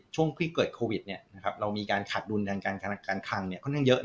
ช่วงที่เกิดโควิดเรามีการขาดดุลการคังค่อนข้างเยอะ